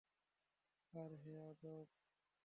আর হে আদম!